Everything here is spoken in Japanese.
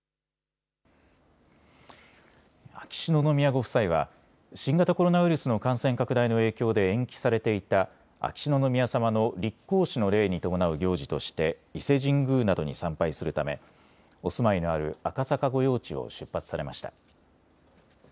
秋篠宮ご夫妻は新型コロナウイルスの感染拡大の影響で延期されていた秋篠宮さまの立皇嗣の礼に伴う行事として伊勢神宮などに参拝するためお住まいのある赤坂御用地を出発されました。